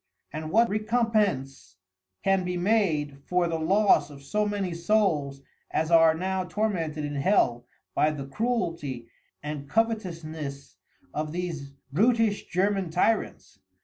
And what Recompence can be made for the loss of so many Souls as are now tormented in Hell by the Cruelty and Covetousness of these Brutish German Tyrants.